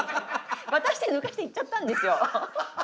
渡して抜かして行っちゃったんですよ。